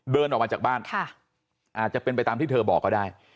เดินออกมาจากบ้านอาจจะเป็นไปตามที่เธอบอกก็ได้